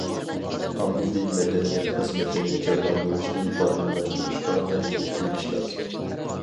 ئاممىۋى مەدەنىيەت خىزمىتىنى جانلاندۇرۇشنى دائىملاشتۇرۇشقا ئەھمىيەت بېرىش لازىم.